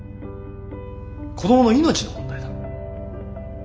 子供の命の問題だ。